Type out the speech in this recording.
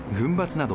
など